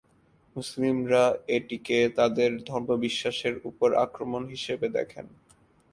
মুসলিমরা এটিকে তাদের ধর্মবিশ্বাসের উপর আক্রমণ হিসেবে দেখেন।